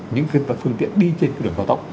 những cái phương tiện đi trên cái đường cao tốc